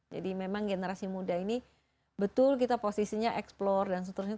jadi memang generasi muda ini betul kita posisinya explore dan seterusnya